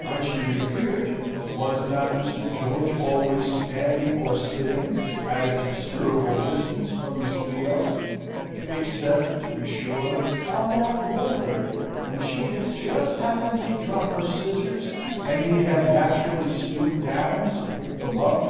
When she reappeared, was not Mr. George always standing or sitting at a considerable distance from Miss Theo except, to be sure, on that one day when she had just happened to drop her scissors, and he had naturally stooped down to pick them up?